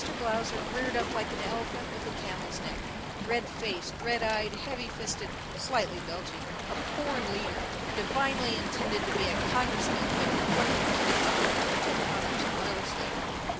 Blausser reared up like an elephant with a camel's neck red faced, red eyed, heavy fisted, slightly belching a born leader, divinely intended to be a congressman but deflected to the more lucrative honors of real estate.